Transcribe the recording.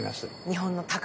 日本の宝。